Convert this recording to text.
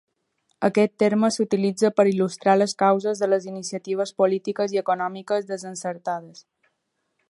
Aquest terme s'utilitza per il·lustrar les causes de les iniciatives polítiques i econòmiques desencertades.